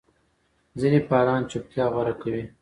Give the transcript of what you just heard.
ځینې فعالان چوپتیا غوره کوي.